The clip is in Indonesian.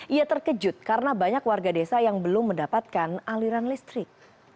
ia terkejut karena banyak warga desa yang belum mendapatkan aliran listrik